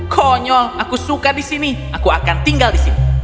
konyol aku suka di sini aku akan tinggal di sini